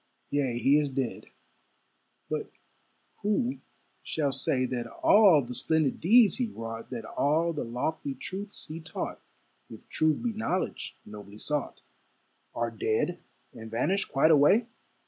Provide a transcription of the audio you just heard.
Yea, he is dead; but who shall say That all the splendid deeds he wrought, That all the lofty truths he taught (If truth be knowledge nobly sought), Are dead and vanished quite away?